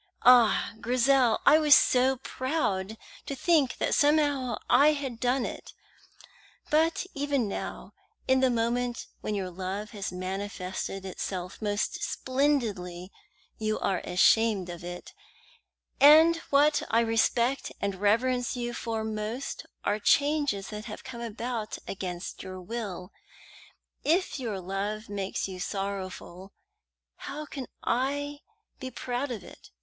Ah, Grizel, I was so proud to think that somehow I had done it; but even now, in the moment when your love has manifested itself most splendidly, you are ashamed of it, and what I respect and reverence you for most are changes that have come about against your will. If your love makes you sorrowful, how can I be proud of it?